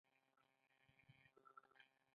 د کیلویډ د زخم زیاته وده ده.